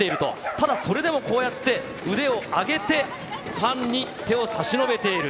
ただそれでもこうやって腕を上げてファンに手を差し伸べている。